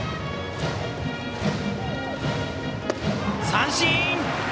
三振！